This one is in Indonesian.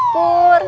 eh mas pur